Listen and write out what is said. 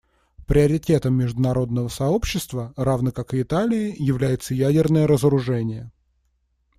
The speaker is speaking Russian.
Приоритетом международного сообщества, равно как и Италии, является ядерное разоружение.